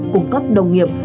cùng các đồng nghiệp